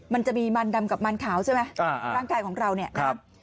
มันจะมีมันดำกับมันขาวใช่ไหมร่างกายของเราเนี่ยนะครับ